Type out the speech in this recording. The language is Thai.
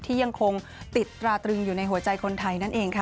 ยังคงติดตราตรึงอยู่ในหัวใจคนไทยนั่นเองค่ะ